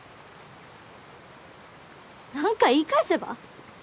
何か言い返せば？